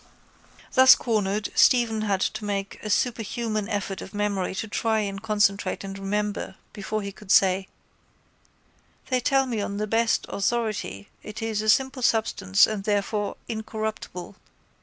Thus cornered, Stephen had to make a superhuman effort of memory to try and concentrate and remember before he could say: —They tell me on the best authority it is a simple substance and therefore incorruptible.